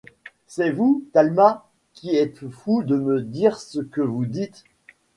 C'est vous, Talma, qui êtes fou de me dire ce que vous dites.